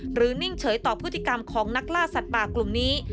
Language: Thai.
นิ่งเฉยต่อพฤติกรรมของนักล่าสัตว์ป่ากลุ่มนี้